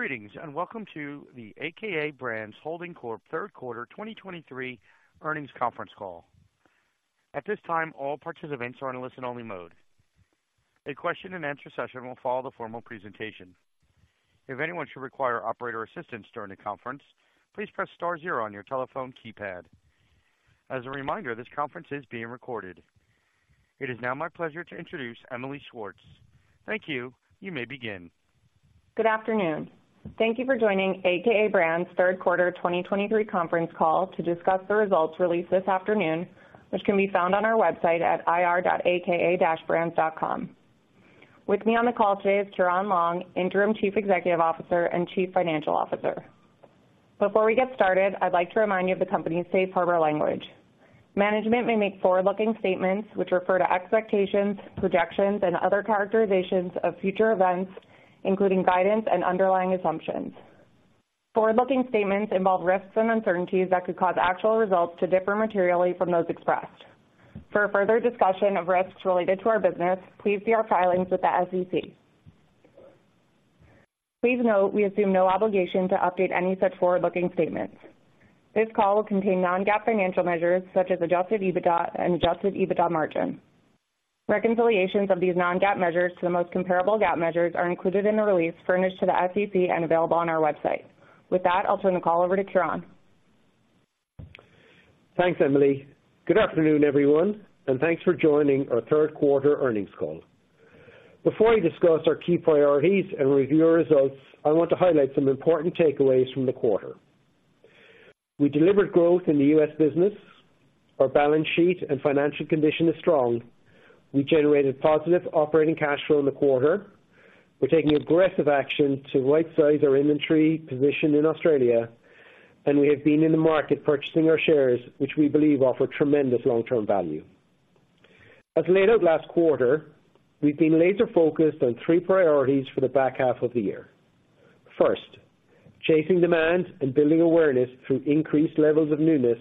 Greetings, and welcome to the a.k.a. Brands Holding Corp third quarter 2023 earnings conference call. At this time, all participants are in listen-only mode. A question and answer session will follow the formal presentation. If anyone should require operator assistance during the conference, please press star zero on your telephone keypad. As a reminder, this conference is being recorded. It is now my pleasure to introduce Emily Schwartz. Thank you. You may begin. Good afternoon. Thank you for joining a.k.a. Brands third quarter 2023 conference call to discuss the results released this afternoon, which can be found on our website at ir.aka-brands.com. With me on the call today is Ciaran Long, Interim Chief Executive Officer and Chief Financial Officer. Before we get started, I'd like to remind you of the company's safe harbor language. Management may make forward-looking statements which refer to expectations, projections, and other characterizations of future events, including guidance and underlying assumptions. Forward-looking statements involve risks and uncertainties that could cause actual results to differ materially from those expressed. For a further discussion of risks related to our business, please see our filings with the SEC. Please note, we assume no obligation to update any such forward-looking statements. This call will contain non-GAAP financial measures such as Adjusted EBITDA and Adjusted EBITDA margin. Reconciliations of these non-GAAP measures to the most comparable GAAP measures are included in the release furnished to the SEC and available on our website. With that, I'll turn the call over to Ciaran. Thanks, Emily. Good afternoon, everyone, and thanks for joining our third quarter earnings call. Before I discuss our key priorities and review our results, I want to highlight some important takeaways from the quarter. We delivered growth in the U.S. business. Our balance sheet and financial condition is strong. We generated positive operating cash flow in the quarter. We're taking aggressive action to rightsize our inventory position in Australia, and we have been in the market purchasing our shares, which we believe offer tremendous long-term value. As laid out last quarter, we've been laser focused on three priorities for the back half of the year. First, chasing demand and building awareness through increased levels of newness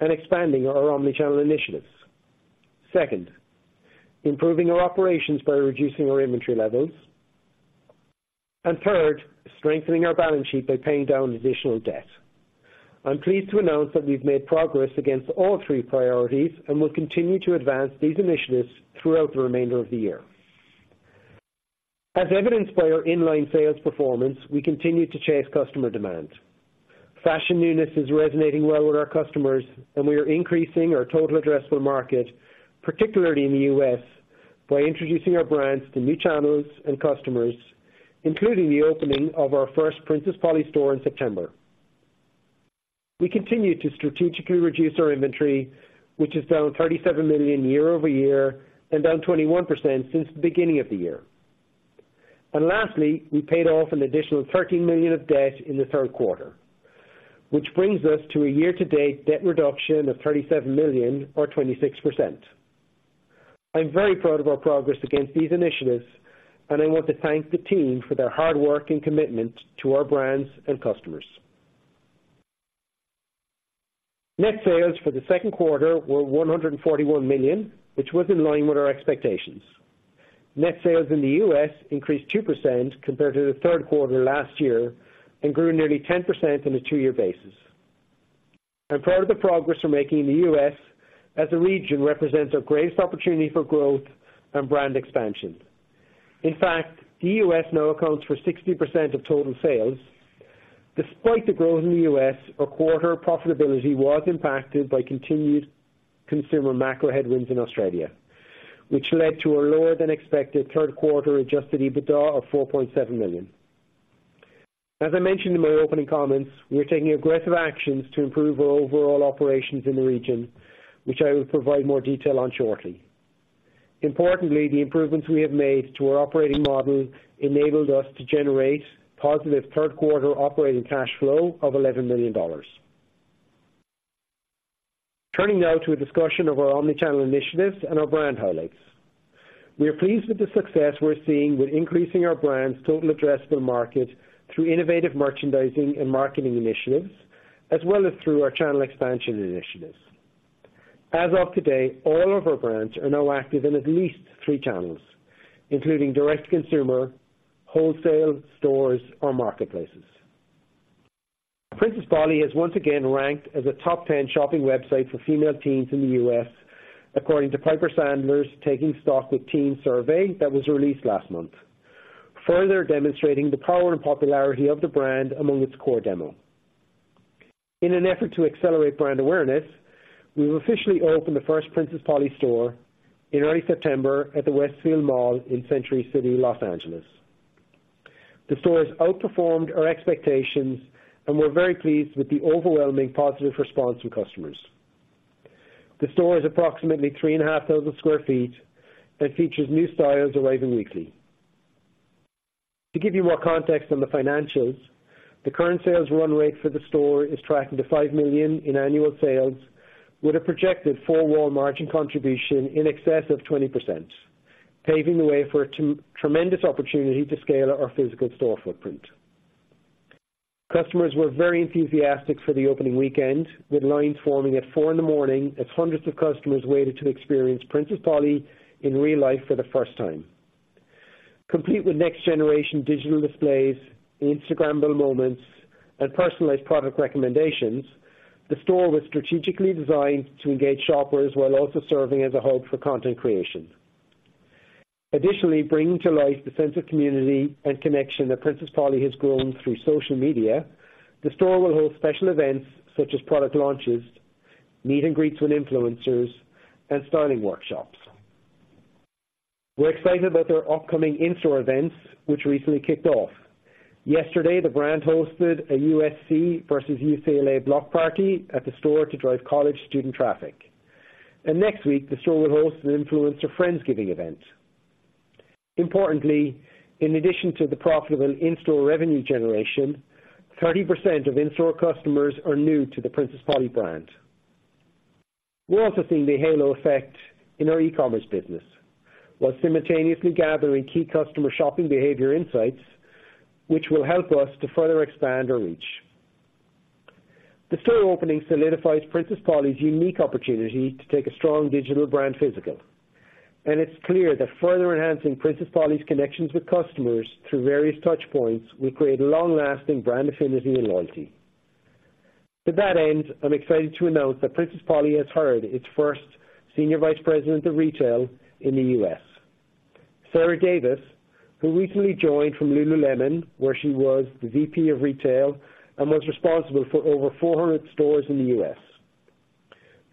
and expanding our omnichannel initiatives. Second, improving our operations by reducing our inventory levels. And third, strengthening our balance sheet by paying down additional debt. I'm pleased to announce that we've made progress against all three priorities and will continue to advance these initiatives throughout the remainder of the year. As evidenced by our in-line sales performance, we continue to chase customer demand. Fashion newness is resonating well with our customers, and we are increasing our total addressable market, particularly in the U.S., by introducing our brands to new channels and customers, including the opening of our first Princess Polly store in September. We continue to strategically reduce our inventory, which is down $37 million year-over-year and down 21% since the beginning of the year. And lastly, we paid off an additional $13 million of debt in the third quarter, which brings us to a year-to-date debt reduction of $37 million or 26%. I'm very proud of our progress against these initiatives, and I want to thank the team for their hard work and commitment to our brands and customers. Net sales for the second quarter were $141 million, which was in line with our expectations. Net sales in the U.S. increased 2% compared to the third quarter last year and grew nearly 10% on a two-year basis. I'm proud of the progress we're making in the U.S., as the region represents our greatest opportunity for growth and brand expansion. In fact, the U.S. now accounts for 60% of total sales. Despite the growth in the U.S., our quarter profitability was impacted by continued consumer macro headwinds in Australia, which led to a lower than expected third quarter adjusted EBITDA of $4.7 million. As I mentioned in my opening comments, we are taking aggressive actions to improve our overall operations in the region, which I will provide more detail on shortly. Importantly, the improvements we have made to our operating model enabled us to generate positive third quarter operating cash flow of $11 million. Turning now to a discussion of our Omnichannel initiatives and our brand highlights. We are pleased with the success we're seeing with increasing our brand's total addressable market through innovative merchandising and marketing initiatives, as well as through our channel expansion initiatives. As of today, all of our brands are now active in at least three channels, including Direct-to-Consumer, wholesale, stores, or marketplaces. Princess Polly is once again ranked as a top 10 shopping website for female teens in the U.S., according to Piper Sandler's Taking Stock with Teens survey that was released last month, further demonstrating the power and popularity of the brand among its core demo. In an effort to accelerate brand awareness, we've officially opened the first Princess Polly store in early September at the Westfield Mall in Century City, Los Angeles. The store has outperformed our expectations, and we're very pleased with the overwhelming positive response from customers. The store is approximately 3,500 sq ft and features new styles arriving weekly. To give you more context on the financials, the current sales run rate for the store is tracking to $5 million in annual sales, with a projected four-wall margin contribution in excess of 20%, paving the way for a tremendous opportunity to scale our physical store footprint. Customers were very enthusiastic for the opening weekend, with lines forming at 4:00 A.M. as hundreds of customers waited to experience Princess Polly in real life for the first time. Complete with next generation digital displays, Instagrammable moments, and personalized product recommendations, the store was strategically designed to engage shoppers while also serving as a hub for content creation. Additionally, bringing to life the sense of community and connection that Princess Polly has grown through social media, the store will hold special events such as product launches, meet and greets with influencers, and styling workshops. We're excited about their upcoming in-store events, which recently kicked off. Yesterday, the brand hosted a USC versus UCLA block party at the store to drive college student traffic. Next week, the store will host an influencer Friendsgiving event. Importantly, in addition to the profitable in-store revenue generation, 30% of in-store customers are new to the Princess Polly brand. We're also seeing the halo effect in our e-commerce business, while simultaneously gathering key customer shopping behavior insights, which will help us to further expand our reach. The store opening solidifies Princess Polly's unique opportunity to take a strong digital brand physical, and it's clear that further enhancing Princess Polly's connections with customers through various touch points will create long-lasting brand affinity and loyalty. To that end, I'm excited to announce that Princess Polly has hired its first senior vice president of retail in the U.S. Sarah Davis, who recently joined from Lululemon, where she was the VP of Retail and was responsible for over 400 stores in the U.S.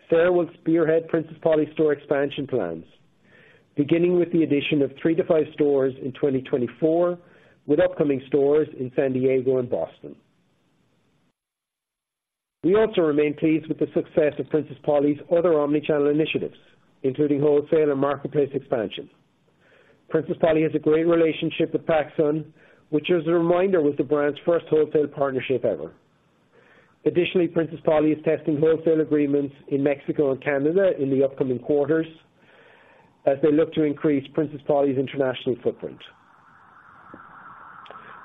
Sarah will spearhead Princess Polly's store expansion plans, beginning with the addition of three to five stores in 2024, with upcoming stores in San Diego and Boston. We also remain pleased with the success of Princess Polly's other Omnichannel initiatives, including wholesale and marketplace expansion. Princess Polly has a great relationship with PacSun, which, as a reminder, was the brand's first wholesale partnership ever. Additionally, Princess Polly is testing wholesale agreements in Mexico and Canada in the upcoming quarters as they look to increase Princess Polly's international footprint.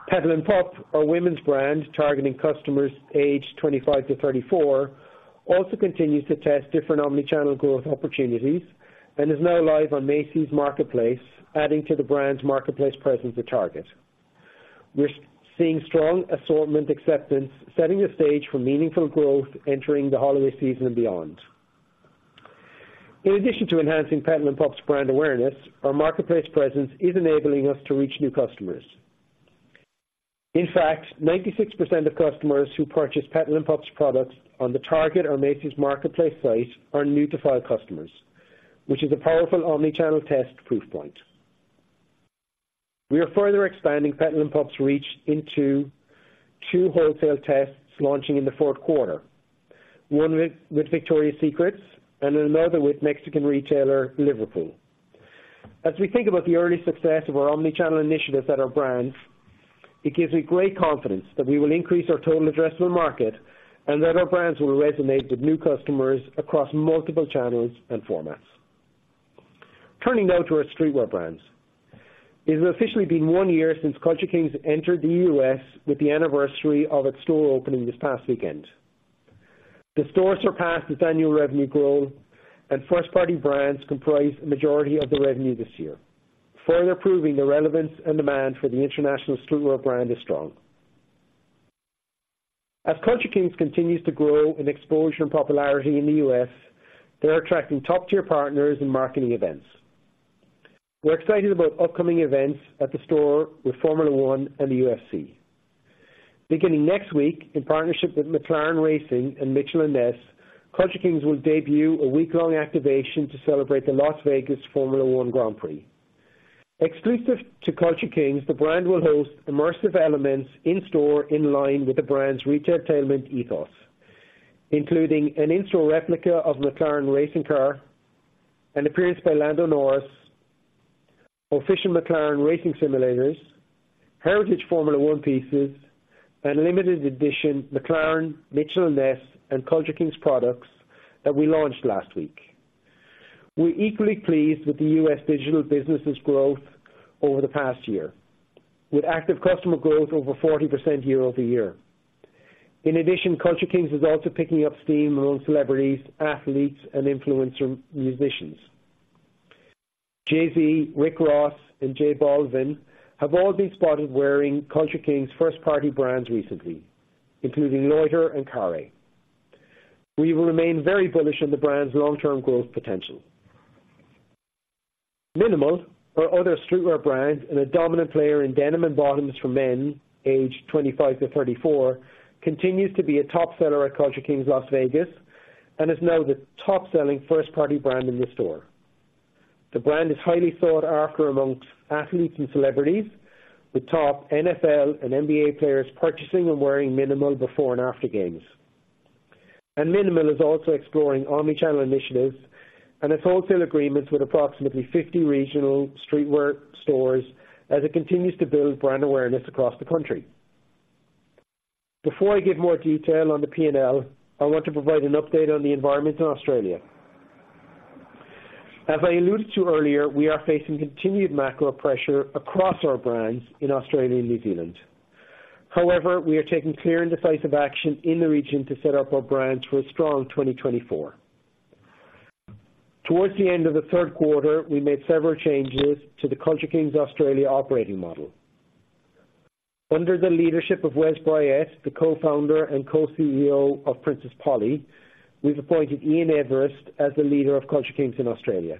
Petal & Pup, our women's brand, targeting customers aged 25-34, also continues to test different Omnichannel growth opportunities and is now live on Macy's Marketplace, adding to the brand's marketplace presence with Target. We're seeing strong assortment acceptance, setting the stage for meaningful growth entering the holiday season and beyond. In addition to enhancing Petal & Pup's brand awareness, our marketplace presence is enabling us to reach new customers. In fact, 96% of customers who purchase Petal & Pup's products on the Target or Macy's marketplace site are new to file customers, which is a powerful Omnichannel test proof point. We are further expanding Petal & Pup's reach into two wholesale tests launching in the fourth quarter, one with Victoria's Secret and another with Mexican retailer, Liverpool. As we think about the early success of our Omnichannel initiatives at our brands, it gives me great confidence that we will increase our total addressable market and that our brands will resonate with new customers across multiple channels and formats. Turning now to our streetwear brands. It has officially been one year since Culture Kings entered the U.S. with the anniversary of its store opening this past weekend. The store surpassed its annual revenue growth, and first-party brands comprise the majority of the revenue this year, further proving the relevance and demand for the international streetwear brand is strong. As Culture Kings continues to grow in exposure and popularity in the U.S., they're attracting top-tier partners in marketing events. We're excited about upcoming events at the store with Formula One and the UFC. Beginning next week, in partnership with McLaren Racing and Mitchell & Ness, Culture Kings will debut a week-long activation to celebrate the Las Vegas Formula One Grand Prix. Exclusive to Culture Kings, the brand will host immersive elements in store in line with the brand's retailtainment ethos, including an in-store replica of McLaren Racing car, an appearance by Lando Norris, official McLaren Racing simulators, heritage Formula One pieces, and limited edition McLaren, Mitchell & Ness, and Culture Kings products that we launched last week. We're equally pleased with the U.S. digital business's growth over the past year, with active customer growth over 40% year-over-year. In addition, Culture Kings is also picking up steam among celebrities, athletes, and influencer musicians. Jay-Z, Rick Ross, and J Balvin have all been spotted wearing Culture Kings first-party brands recently, including Loiter and Carré. We will remain very bullish on the brand's long-term growth potential. mnml, our other streetwear brand and a dominant player in denim and bottoms for men aged 25-34, continues to be a top seller at Culture Kings, Las Vegas, and is now the top-selling first-party brand in the store. The brand is highly sought after among athletes and celebrities, with top NFL and NBA players purchasing and wearing mnml before and after games. mnml is also exploring Omnichannel initiatives and has wholesale agreements with approximately 50 regional streetwear stores as it continues to build brand awareness across the country. Before I give more detail on the P&L, I want to provide an update on the environment in Australia. As I alluded to earlier, we are facing continued macro pressure across our brands in Australia and New Zealand. However, we are taking clear and decisive action in the region to set up our brands for a strong 2024. Towards the end of the third quarter, we made several changes to the Culture Kings Australia operating model. Under the leadership of Wez Bryett, the co-founder and co-CEO of Princess Polly, we've appointed Ian Everest as the leader of Culture Kings in Australia.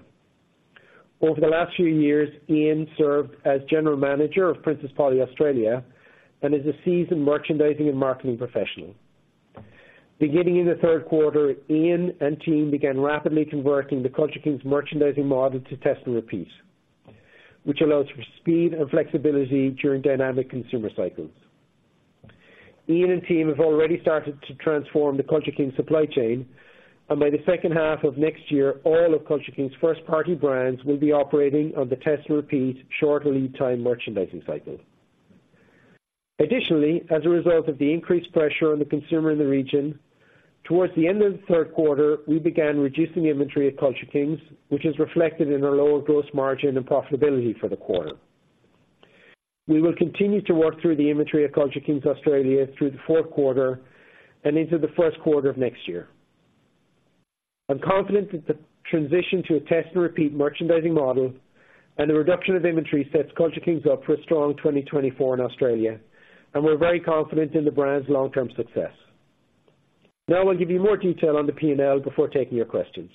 Over the last few years, Ian served as general manager of Princess Polly Australia and is a seasoned merchandising and marketing professional. Beginning in the third quarter, Ian and team began rapidly converting the Culture Kings merchandising model to test and repeat, which allows for speed and flexibility during dynamic consumer cycles. Ian and team have already started to transform the Culture Kings supply chain, and by the second half of next year, all of Culture Kings' first party brands will be operating on the test and repeat short lead time merchandising cycle. Additionally, as a result of the increased pressure on the consumer in the region, towards the end of the third quarter, we began reducing inventory at Culture Kings, which is reflected in our lower gross margin and profitability for the quarter. We will continue to work through the inventory at Culture Kings Australia through the fourth quarter and into the first quarter of next year. I'm confident that the transition to a test and repeat merchandising model and the reduction of inventory sets Culture Kings up for a strong 2024 in Australia, and we're very confident in the brand's long-term success. Now I'll give you more detail on the P&L before taking your questions.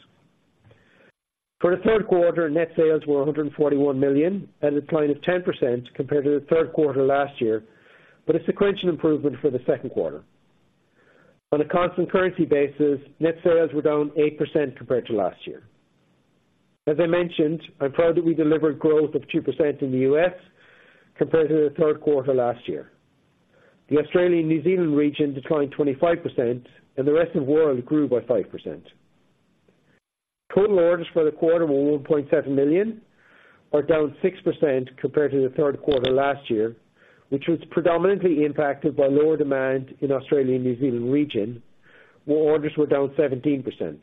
For the third quarter, net sales were $141 million, and a decline of 10% compared to the third quarter last year, but a sequential improvement for the second quarter. On a constant currency basis, net sales were down 8% compared to last year. As I mentioned, I'm proud that we delivered growth of 2% in the U.S. compared to the third quarter last year. The Australian, New Zealand region declined 25% and the rest of the world grew by 5%. Total orders for the quarter were 1.7 million, or down 6% compared to the third quarter last year, which was predominantly impacted by lower demand in Australia and New Zealand region, where orders were down 17%.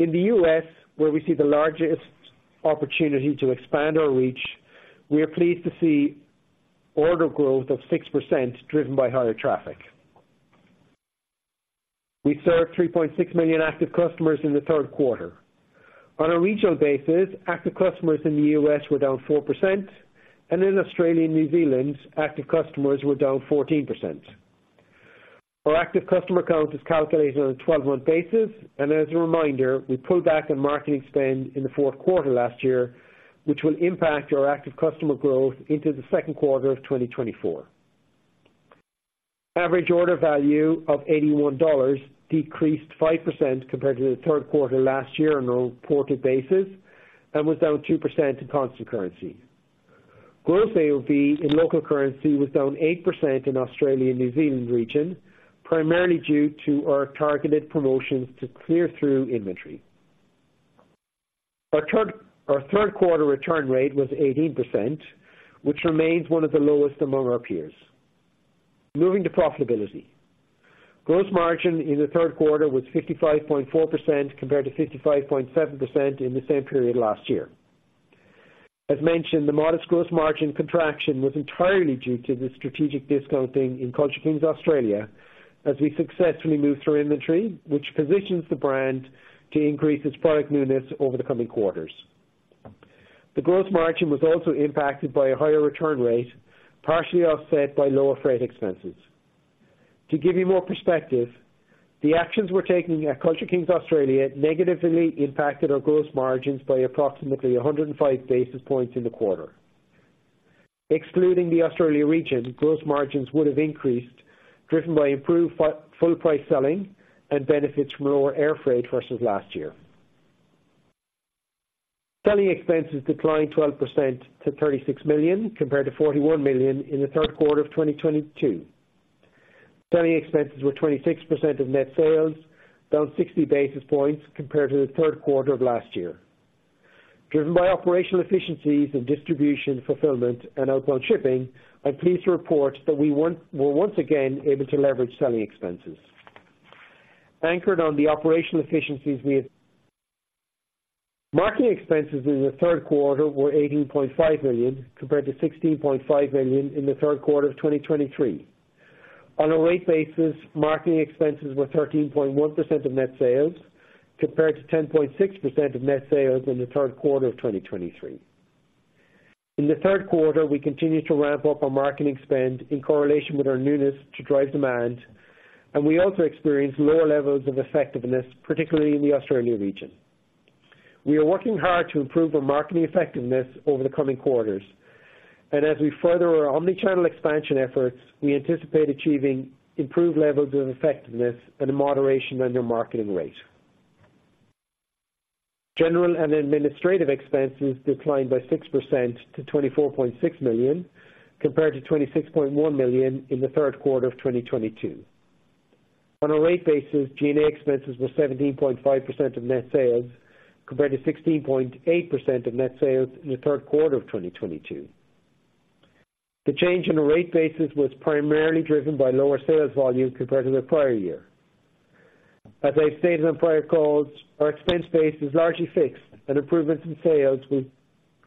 In the U.S., where we see the largest opportunity to expand our reach, we are pleased to see order growth of 6%, driven by higher traffic. We served 3.6 million active customers in the third quarter. On a regional basis, active customers in the U.S. were down 4%, and in Australia and New Zealand, active customers were down 14%. Our active customer count is calculated on a 12-month basis, and as a reminder, we pulled back on marketing spend in the fourth quarter last year, which will impact our active customer growth into the second quarter of 2024. Average order value of $81 decreased 5% compared to the third quarter last year on a reported basis, and was down 2% in constant currency. Gross AOV in local currency was down 8% in Australia and New Zealand region, primarily due to our targeted promotions to clear through inventory. Our third quarter return rate was 18%, which remains one of the lowest among our peers. Moving to profitability. Gross margin in the third quarter was 55.4%, compared to 55.7% in the same period last year. As mentioned, the modest gross margin contraction was entirely due to the strategic discounting in Culture Kings Australia as we successfully moved through inventory, which positions the brand to increase its product newness over the coming quarters. The gross margin was also impacted by a higher return rate, partially offset by lower freight expenses. To give you more perspective, the actions we're taking at Culture Kings Australia negatively impacted our gross margins by approximately 105 basis points in the quarter. Excluding the Australia region, gross margins would have increased, driven by improved full price selling and benefits from lower air freight versus last year. Selling expenses declined 12% to $36 million, compared to $41 million in the third quarter of 2022. Selling expenses were 26% of net sales, down 60 basis points compared to the third quarter of last year. Driven by operational efficiencies and distribution, fulfillment, and outbound shipping, I'm pleased to report that we were once again able to leverage selling expenses. Anchored on the operational efficiencies we have. Marketing expenses in the third quarter were $18.5 million, compared to $16.5 million in the third quarter of 2023. On a rate basis, marketing expenses were 13.1% of net sales, compared to 10.6% of net sales in the third quarter of 2023. In the third quarter, we continued to ramp up our marketing spend in correlation with our newness to drive demand, and we also experienced lower levels of effectiveness, particularly in the Australia region. We are working hard to improve our marketing effectiveness over the coming quarters, and as we further our Omnichannel expansion efforts, we anticipate achieving improved levels of effectiveness and a moderation on their marketing rate. General and administrative expenses declined by 6% to $24.6 million, compared to $26.1 million in the third quarter of 2022. On a rate basis, G&A expenses were 17.5% of net sales, compared to 16.8% of net sales in the third quarter of 2022. The change in the rate basis was primarily driven by lower sales volume compared to the prior year. As I've stated on prior calls, our expense base is largely fixed, and improvements in sales will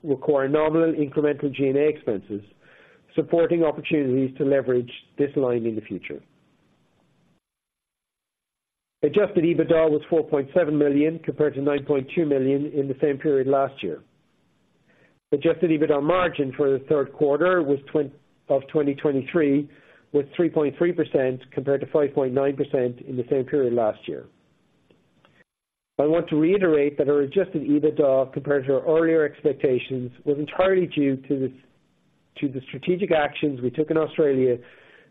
require nominal incremental G&A expenses, supporting opportunities to leverage this line in the future. Adjusted EBITDA was $4.7 million, compared to $9.2 million in the same period last year. Adjusted EBITDA margin for the third quarter of 2023 was 3.3%, compared to 5.9% in the same period last year. I want to reiterate that our adjusted EBITDA, compared to our earlier expectations, was entirely due to the to the strategic actions we took in Australia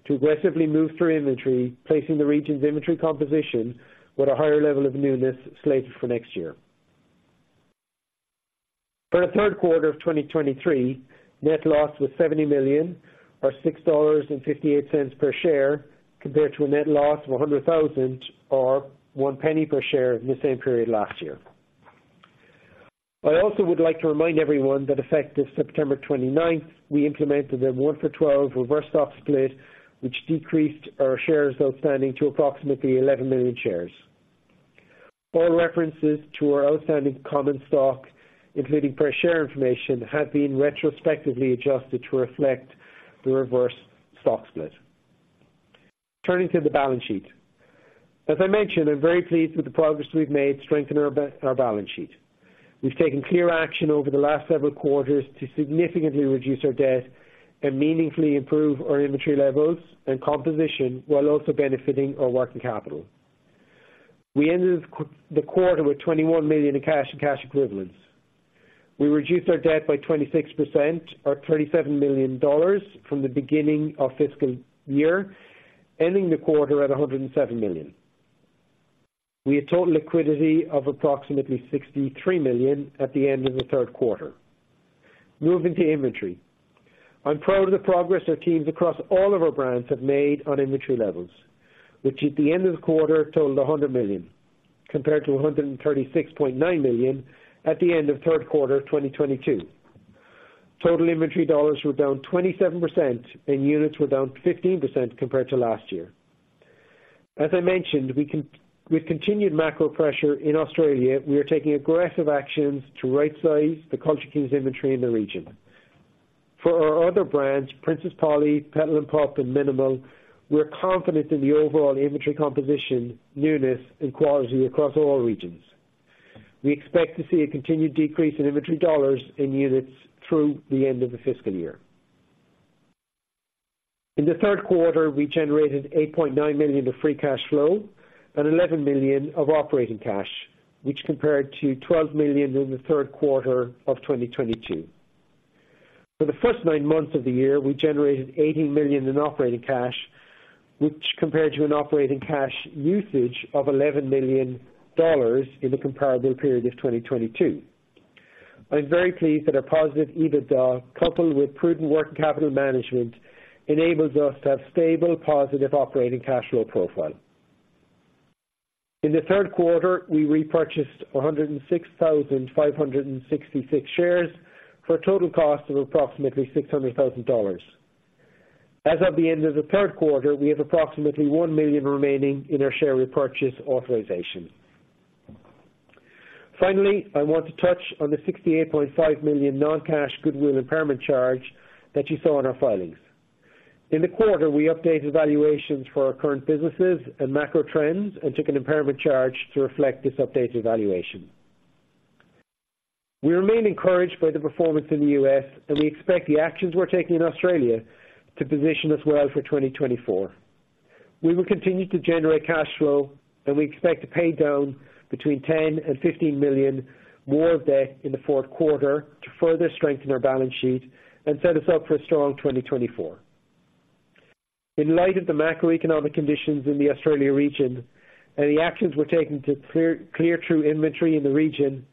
to aggressively move through inventory, placing the region's inventory composition with a higher level of newness slated for next year. For the third quarter of 2023, net loss was $70 million, or $6.58 per share, compared to a net loss of $100,000, or $0.01 per share in the same period last year. I also would like to remind everyone that effective September 29th, we implemented a 1-for-12 reverse stock split, which decreased our shares outstanding to approximately 11 million shares. All references to our outstanding common stock, including per share information, have been retrospectively adjusted to reflect the reverse stock split. Turning to the balance sheet. As I mentioned, I'm very pleased with the progress we've made to strengthen our balance sheet. We've taken clear action over the last several quarters to significantly reduce our debt and meaningfully improve our inventory levels and composition, while also benefiting our working capital. We ended the quarter with $21 million in cash and cash equivalents. We reduced our debt by 26%, or $37 million from the beginning of fiscal year, ending the quarter at $107 million. We had total liquidity of approximately $63 million at the end of the third quarter. Moving to inventory. I'm proud of the progress our teams across all of our brands have made on inventory levels, which at the end of the quarter totaled $100 million, compared to $136.9 million at the end of third quarter of 2022. Total inventory dollars were down 27%, and units were down 15% compared to last year. As I mentioned, with continued macro pressure in Australia, we are taking aggressive actions to rightsize the Culture Kings inventory in the region. For our other brands, Princess Polly, Petal & Pup, and mnml, we're confident in the overall inventory composition, newness, and quality across all regions. We expect to see a continued decrease in inventory dollars and units through the end of the fiscal year. In the third quarter, we generated $8.9 million of free cash flow and $11 million of operating cash, which compared to $12 million in the third quarter of 2022. For the first nine months of the year, we generated $18 million in operating cash, which compared to an operating cash usage of $11 million in the comparable period of 2022. I'm very pleased that our positive EBITDA, coupled with prudent working capital management, enables us to have stable, positive operating cash flow profile. In the third quarter, we repurchased 106,566 shares for a total cost of approximately $600,000. As of the end of the third quarter, we have approximately $1 million remaining in our share repurchase authorization. Finally, I want to touch on the $68.5 million non-cash goodwill impairment charge that you saw in our filings. In the quarter, we updated valuations for our current businesses and macro trends and took an impairment charge to reflect this updated valuation. We remain encouraged by the performance in the U.S., and we expect the actions we're taking in Australia to position us well for 2024. We will continue to generate cash flow, and we expect to pay down between $10 million and $15 million more of debt in the fourth quarter to further strengthen our balance sheet and set us up for a strong 2024. In light of the macroeconomic conditions in the Australia region and the actions we're taking to clear through inventory in the region,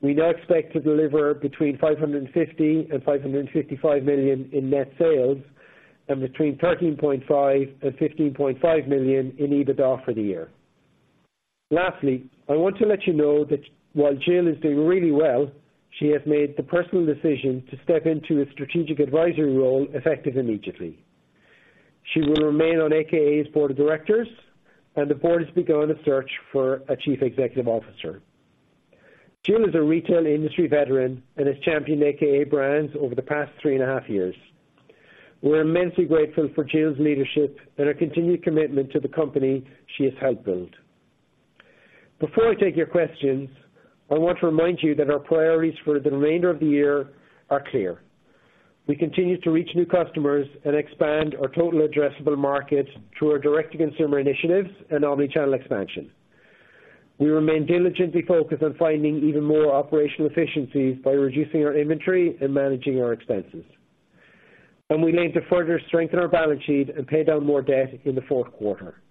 we now expect to deliver between $550 million and $555 million in net sales and between $13.5 million and $15.5 million in EBITDA for the year. Lastly, I want to let you know that while Jill is doing really well, she has made the personal decision to step into a strategic advisory role effective immediately. She will remain on a.k.a.'s board of directors, and the board has begun a search for a Chief Executive Officer. Jill is a retail industry veteran and has championed a.k.a. brands over the past three and a half years. We're immensely grateful for Jill's leadership and her continued commitment to the company she has helped build. Before I take your questions, I want to remind you that our priorities for the remainder of the year are clear. We continue to reach new customers and expand our total addressable market through our Direct-to-Consumer initiatives and Omnichannel expansion. We remain diligently focused on finding even more operational efficiencies by reducing our inventory and managing our expenses. We aim to further strengthen our balance sheet and pay down more debt in the fourth quarter.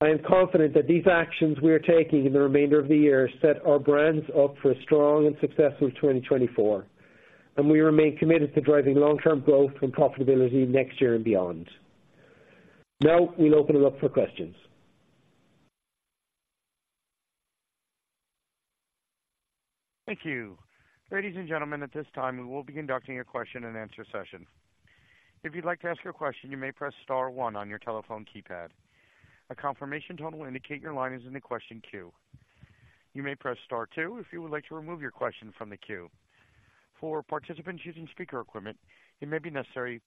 I am confident that these actions we are taking in the remainder of the year set our brands up for a strong and successful 2024, and we remain committed to driving long-term growth and profitability next year and beyond. Now, we'll open it up for questions. Thank you. Ladies and gentlemen, at this time, we will be conducting a question and answer session. If you'd like to ask a question, you may press star one on your telephone keypad. A confirmation tone will indicate your line is in the question queue. You may press star two if you would like to remove your question from the queue. For participants using speaker equipment, it may be necessary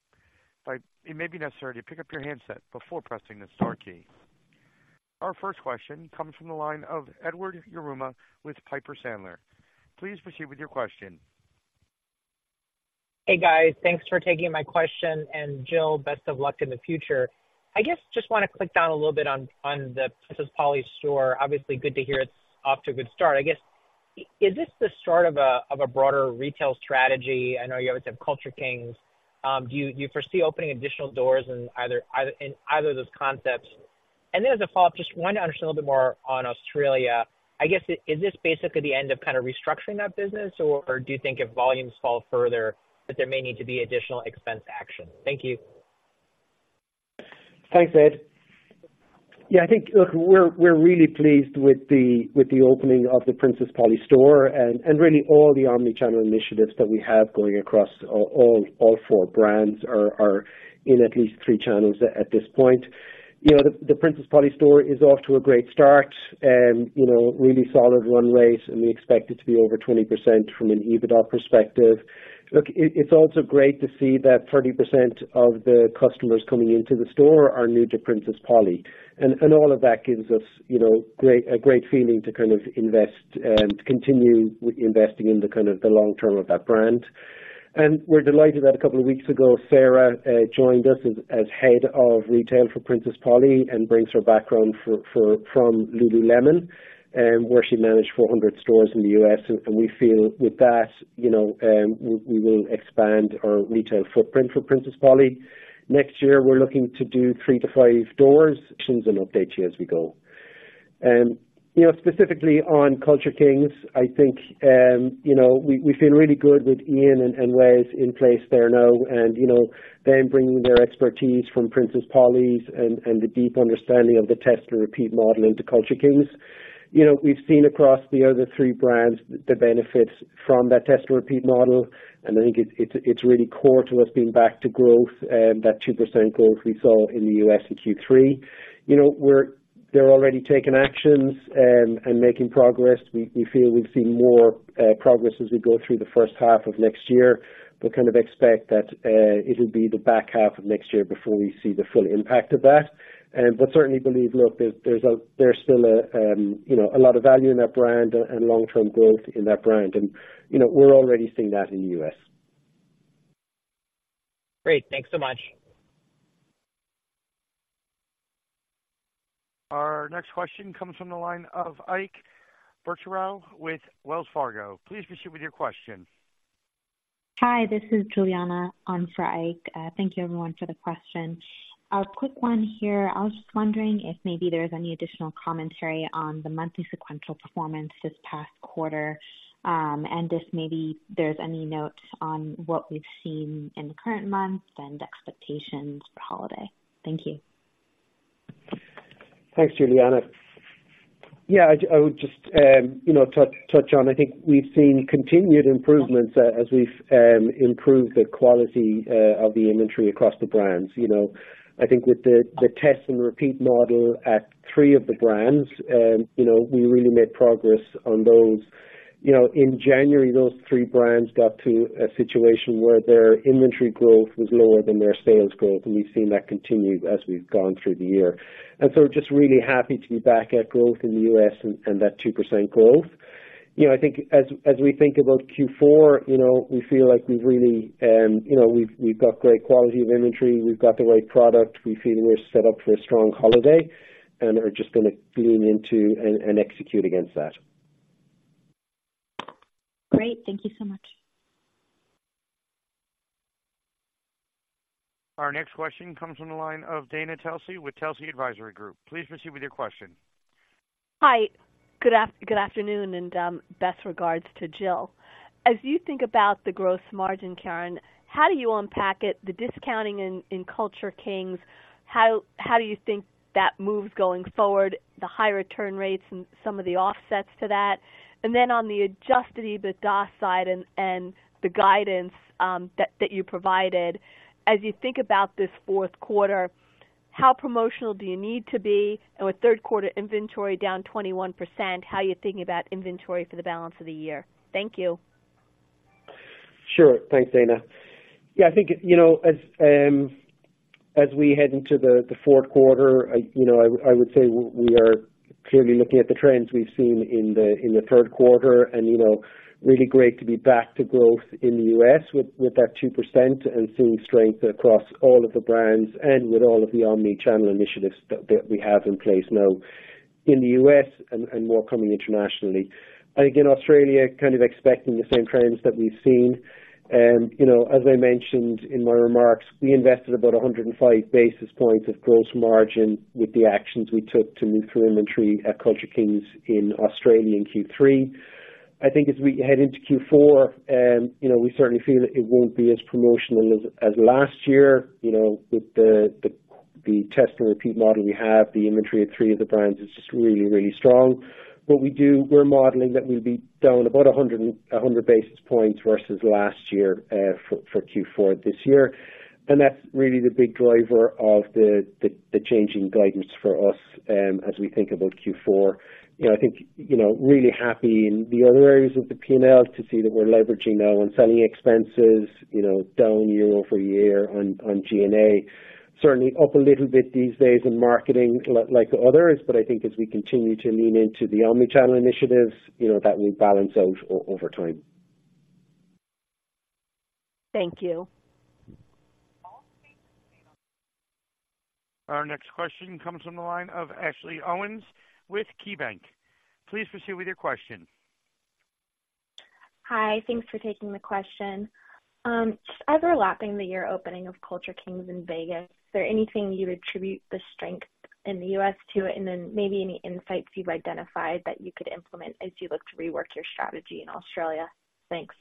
to pick up your handset before pressing the star key. Our first question comes from the line of Edward Yruma with Piper Sandler. Please proceed with your question. Hey, guys. Thanks for taking my question, and Jill, best of luck in the future. I guess just wanna click down a little bit on the Princess Polly store. Obviously, good to hear it's off to a good start. I guess, is this the start of a broader retail strategy? I know you have some Culture Kings. Do you foresee opening additional doors in either of those concepts? And then as a follow-up, just want to understand a little bit more on Australia. I guess, is this basically the end of kind of restructuring that business? Or do you think if volumes fall further, that there may need to be additional expense action? Thank you. Thanks, Ed. Yeah, I think, look, we're really pleased with the opening of the Princess Polly store and really all the Omnichannel initiatives that we have going across all four brands are in at least three channels at this point. You know, the Princess Polly store is off to a great start, you know, really solid run rate, and we expect it to be over 20% from an EBITDA perspective. Look, it's also great to see that 30% of the customers coming into the store are new to Princess Polly, and all of that gives us, you know, a great feeling to kind of invest, to continue with investing in the long term of that brand. We're delighted that a couple of weeks ago, Sarah joined us as head of retail for Princess Polly and brings her background from Lululemon, where she managed 400 stores in the U.S. We feel with that, you know, we will expand our retail footprint for Princess Polly. Next year, we're looking to do 3-5 doors and update you as we go. You know, specifically on Culture Kings, I think, you know, we feel really good with Ian and Wes in place there now, and you know, them bringing their expertise from Princess Polly's and the deep understanding of the test and repeat model into Culture Kings. You know, we've seen across the other three brands the benefits from that test and repeat model, and I think it's really core to us being back to growth, that 2% growth we saw in the U.S. in Q3. You know, they're already taking actions and making progress. We feel we've seen more progress as we go through the first half of next year, but kind of expect that it'll be the back half of next year before we see the full impact of that. But certainly believe, look, there's still a, you know, a lot of value in that brand and long-term growth in that brand, and, you know, we're already seeing that in the U.S.. Great, thanks so much. Our next question comes from the line of Ike Boruchow with Wells Fargo. Please proceed with your question. Hi, this is Juliana on for Ike. Thank you, everyone, for the question. A quick one here. I was just wondering if maybe there's any additional commentary on the monthly sequential performance this past quarter, and if maybe there's any notes on what we've seen in the current months and expectations for holiday. Thank you. Thanks, Juliana. Yeah, I would just, you know, touch on. I think we've seen continued improvements as we've improved the quality of the inventory across the brands. You know, I think with the test and repeat model at three of the brands, you know, we really made progress on those. You know, in January, those three brands got to a situation where their inventory growth was lower than their sales growth, and we've seen that continue as we've gone through the year. So just really happy to be back at growth in the U.S. and that 2% growth. You know, I think as we think about Q4, you know, we feel like we've really, you know, we've got great quality of inventory, we've got the right product. We feel we're set up for a strong holiday and are just gonna lean into and execute against that. Great. Thank you so much. Our next question comes from the line of Dana Telsey with Telsey Advisory Group. Please proceed with your question. Hi. Good afternoon, and best regards to Jill. As you think about the growth margin, Ciaran, how do you unpack it, the discounting in Culture Kings? How do you think that moves going forward, the high return rates and some of the offsets to that? And then on the Adjusted EBITDA side and the guidance that you provided, as you think about this fourth quarter, how promotional do you need to be? And with third quarter inventory down 21%, how are you thinking about inventory for the balance of the year? Thank you. Sure. Thanks, Dana. Yeah, I think, you know, as we head into the fourth quarter, I, you know, I would say we are clearly looking at the trends we've seen in the third quarter. And, you know, really great to be back to growth in the U.S. with that 2% and seeing strength across all of the brands and with all of the omni-channel initiatives that we have in place now in the U.S. and more coming internationally. I think in Australia, kind of expecting the same trends that we've seen. You know, as I mentioned in my remarks, we invested about 105 basis points of gross margin with the actions we took to move through inventory at Culture Kings in Australia in Q3. I think as we head into Q4, you know, we certainly feel that it won't be as promotional as last year. You know, with the test and repeat model we have, the inventory of three of the brands is just really, really strong. But we're modeling that we'll be down about 100 basis points versus last year for Q4 this year. And that's really the big driver of the changing guidance for us as we think about Q4. You know, I think, you know, really happy in the other areas of the P&L to see that we're leveraging now on selling expenses, you know, down year-over-year on G&A. Certainly up a little bit these days in marketing, like others. But I think as we continue to lean into the Omnichannel initiatives, you know, that will balance out over time. Thank you. Our next question comes from the line of Ashley Owens with KeyBanc. Please proceed with your question. Hi, thanks for taking the question. Just overlapping the year opening of Culture Kings in Vegas, is there anything you attribute the strength in the U.S. to? And then maybe any insights you've identified that you could implement as you look to rework your strategy in Australia? Thanks.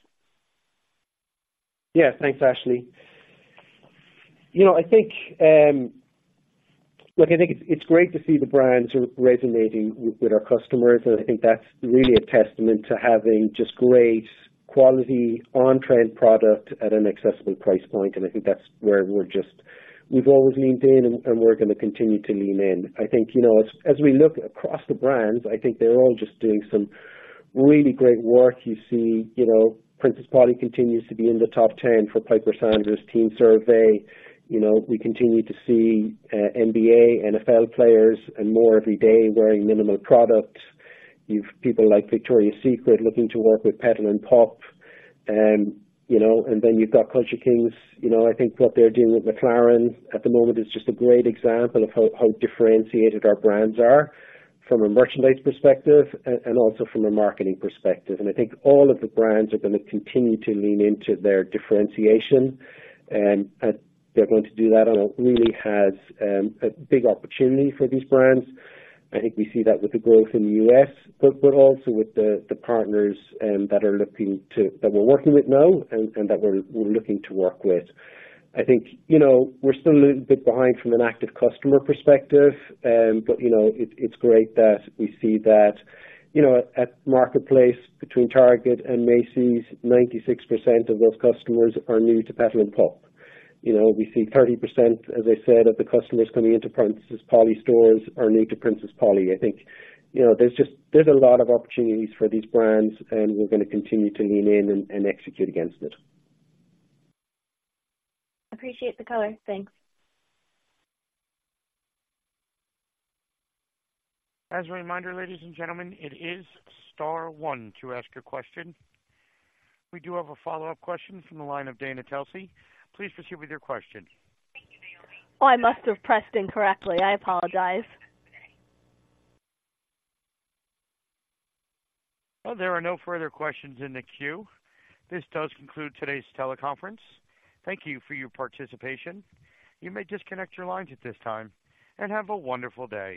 Yeah, thanks, Ashley. You know, I think. Look, I think it's great to see the brands are resonating with our customers, and I think that's really a testament to having just great quality, on-trend product at an accessible price point. And I think that's where we're just, we've always leaned in, and we're gonna continue to lean in. I think, you know, as we look across the brands, I think they're all just doing some really great work. You see, you know, Princess Polly continues to be in the top 10 for Piper Sandler's Teens Survey. You know, we continue to see NBA, NFL players and more every day wearing mnml products. You've people like Victoria's Secret looking to work with Petal & Pup. You know, and then you've got Culture Kings. You know, I think what they're doing with McLaren at the moment is just a great example of how differentiated our brands are from a merchandise perspective and also from a marketing perspective. I think all of the brands are gonna continue to lean into their differentiation, and they're going to do that, and it really has a big opportunity for these brands. I think we see that with the growth in the U.S., but also with the partners that we're working with now and that we're looking to work with. I think, you know, we're still a little bit behind from an active customer perspective, but, you know, it's great that we see that, you know, at marketplace between Target and Macy's, 96% of those customers are new to Petal & Pup. You know, we see 30%, as I said, of the customers coming into Princess Polly stores are new to Princess Polly. I think, you know, there's a lot of opportunities for these brands, and we're gonna continue to lean in and execute against it. Appreciate the color. Thanks. As a reminder, ladies and gentlemen, it is star one to ask your question. We do have a follow-up question from the line of Dana Telsey. Please proceed with your question. Oh, I must have pressed incorrectly. I apologize. Well, there are no further questions in the queue. This does conclude today's teleconference. Thank you for your participation. You may disconnect your lines at this time, and have a wonderful day.